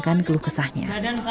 menuangkan keluh kesahnya